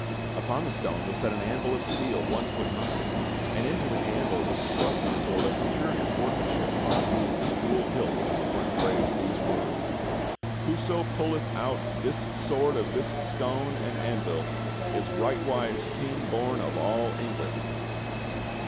Upon the stone was set an anvil of steel one foot high, and into the anvil was thrust a sword of HOW ARTHUR WON HIS KINGDOM 19 curious workmanship upon whose bejewelled hilt were engraved these words: 'WHOSO PULLETH OUT THIS SWORD OF THIS STONE AND ANVIL. IS RIGHTWISE KING BORN OF ALL ENGLAND."